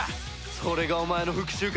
それがお前の復讐か。